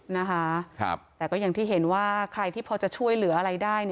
นะคะแต่ก็อย่างที่เห็นว่าใครที่พอจะช่วยเหลืออะไรได้